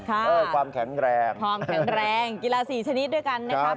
สมัยแกล้งสาธารณ์กีฬาสี่ชนิดด้วยกันนะครับ